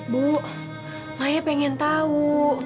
bu maya pengen tahu